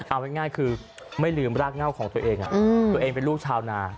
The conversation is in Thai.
เอาง่ายคือไม่ลืมรากเง่าของตัวเองตัวเองเป็นลูกชาวนา